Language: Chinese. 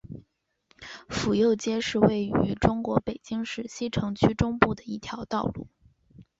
府右街是位于中国北京市西城区中部的一条道路。